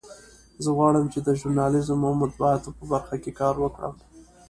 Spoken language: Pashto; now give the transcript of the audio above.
زه غواړم چې د ژورنالیزم او مطبوعاتو په برخه کې کار وکړم